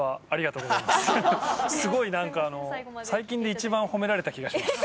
すごい、なんか、あの最近で一番褒められた気がします。